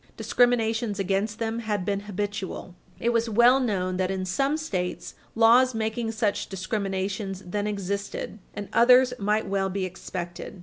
discriminations against them had been habitual. It was well known that, in some States, laws making such discrimination then existed, and others might well be expected.